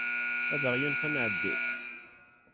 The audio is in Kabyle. Ad aɣ-yanef ad nɛeddi.